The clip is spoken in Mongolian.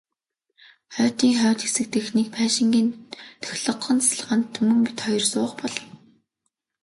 Хотын хойд хэсэг дэх нэг байшингийн тохилогхон тасалгаанд Түмэн бид хоёр суух болов.